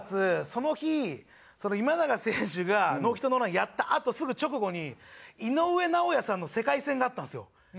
その日今永選手がノーヒットノーランやったあとすぐ直後に井上尚弥さんの世界戦があったんですよ。